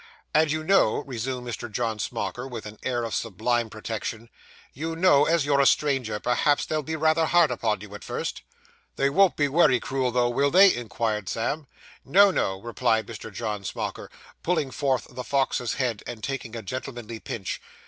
'And you know,' resumed Mr. John Smauker, with an air of sublime protection 'you know, as you're a stranger, perhaps, they'll be rather hard upon you at first.' 'They won't be wery cruel, though, will they?' inquired Sam. 'No, no,' replied Mr. John Smauker, pulling forth the fox's head, and taking a gentlemanly pinch.